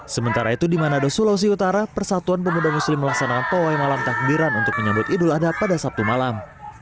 sementara itu di manado sulawesi utara persatuan pemuda muslim melaksanakan pawai malam takbiran untuk menyambut idul adha pada sabtu malam